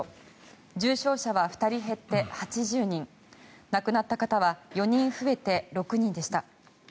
重症者は２人減って８０人亡くなった方は４人増えて６人でした。